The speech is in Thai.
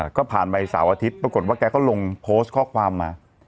ก็ผ่านไปเสาร์อาทิตย์ปรากฏว่าแกก็ลงโพสต์ข้อความมา